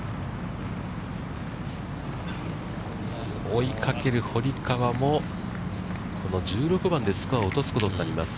追いかける堀川も、この１６番でスコアを落とすことになります。